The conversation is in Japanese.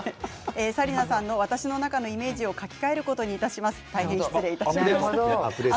紗理奈さんの私の中のイメージを書き換えることにいたします。